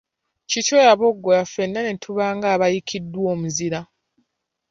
Kityo yaboggola, ffenna ne tuba nga abayiikiddwa omuzira!